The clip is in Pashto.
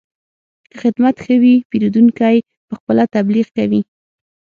که خدمت ښه وي، پیرودونکی پخپله تبلیغ کوي.